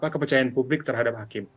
kepercayaan publik terhadap hakim